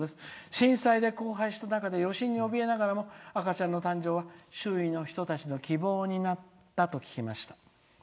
震災で荒廃した中で余震におびえながらも赤ちゃんの誕生は周囲の人たちの希望になったと聞きました」。